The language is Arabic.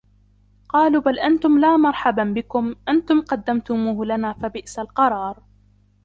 قالوا بَل أَنتُم لا مَرحَبًا بِكُم أَنتُم قَدَّمتُموهُ لَنا فَبِئسَ القَرارُ